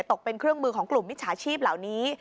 ตกเป็นเครื่องมือของกลุ่มมิจฉาชีพเหล่านี้